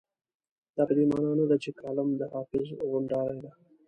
دا په دې مانا نه ده چې کالم د حافظ غونډارۍ ده.